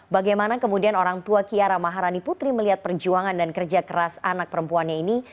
bagaimana kemudian orang tua kiara maharani putri melihat perjuangan dan kerja keras anak perempuannya ini